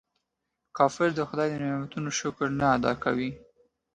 کافر د خداي د نعمتونو شکر نه ادا کوي.